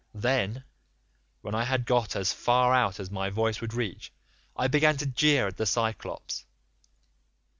Then, when I had got as far out as my voice would reach, I began to jeer at the Cyclops.